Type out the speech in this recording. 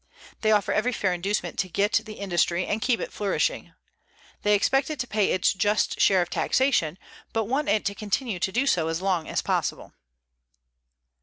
They offer every fair inducement to get the industry and keep it flourishing. They expect it to pay its just share of taxation, but want it to continue to do so as long as possible.